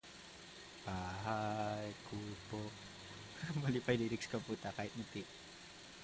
John the First of Castile then retreated.